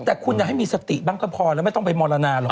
แต่คุณอย่าให้มีสติบ้างก็พอแล้วไม่ต้องไปมรณาหรอก